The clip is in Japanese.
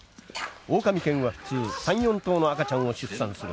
オオカミ犬は普通３４頭の赤ちゃんを出産する。